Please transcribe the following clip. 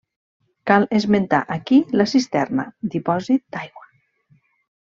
Cal esmentar aquí la Cisterna, dipòsit d'aigua.